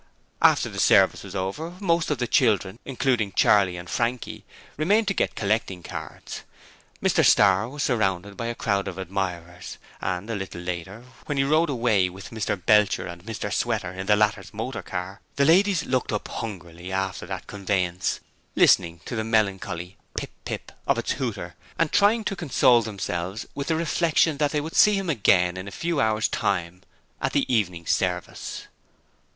After the 'service' was over, most of the children, including Charley and Frankie, remained to get collecting cards. Mr Starr was surrounded by a crowd of admirers, and a little later, when he rode away with Mr Belcher and Mr Sweater in the latter's motor car, the ladies looked hungrily after that conveyance, listening to the melancholy 'pip, pip' of its hooter and trying to console themselves with the reflection that they would see him again in a few hours' time at the evening service.